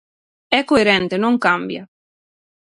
É coherente, non cambia.